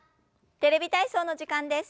「テレビ体操」の時間です。